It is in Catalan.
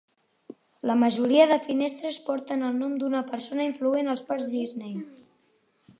La majoria de finestres porten el nom d"una persona influent als parcs Disney.